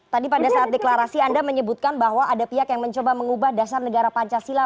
tadi pada saat deklarasi anda menyebutkan bahwa ada pihak yang mencoba mengubah dasar negara pancasila